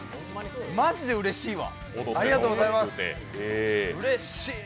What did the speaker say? まじでうれしいわ。